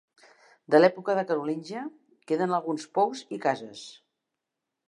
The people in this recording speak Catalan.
De l'època carolíngia, queden alguns pous i cases.